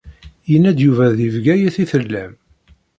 Yenna-d Yuba deg Bgayet i tellam.